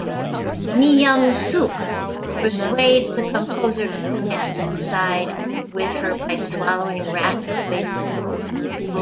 Myung-sook persuades the composer to commit suicide with her by swallowing rat poison.